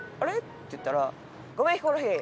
って言ったら「ごめんヒコロヒー。